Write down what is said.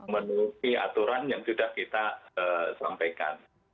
menuruti aturan yang sudah kita sampaikan